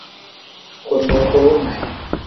คุณรู้ไหม